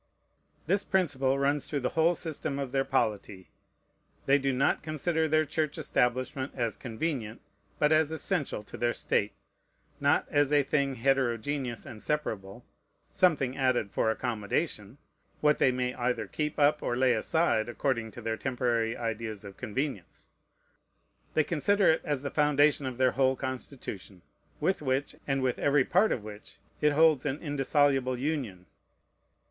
This principle runs through the whole system of their polity. They do not consider their Church establishment as convenient, but as essential to their state: not as a thing heterogeneous and separable, something added for accommodation, what they may either keep up or lay aside, according to their temporary ideas of convenience. They consider it as the foundation of their whole Constitution, with which, and with every part of which, it holds an indissoluble union.